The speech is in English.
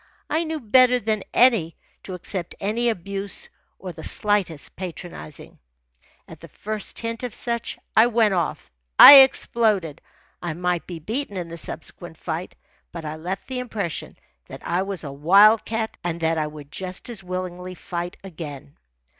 I knew better than to accept any abuse or the slightest patronizing. At the first hint of such, I went off I exploded. I might be beaten in the subsequent fight, but I left the impression that I was a wild cat and that I would just as willingly fight again.